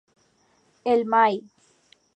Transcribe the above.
El My.